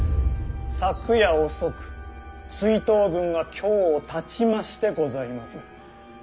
昨夜遅く追討軍が京をたちましてございます。